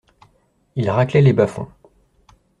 ils raclaient les bas-fonds